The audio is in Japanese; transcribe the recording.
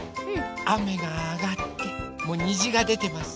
あめがあがってもうにじがでてます。